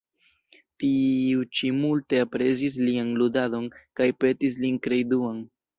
Tiu ĉi multe aprezis lian ludadon kaj petis lin krei Duan.